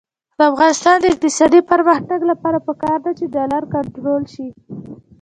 د افغانستان د اقتصادي پرمختګ لپاره پکار ده چې ډالر کنټرول شي.